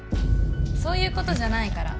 そういう事じゃないから。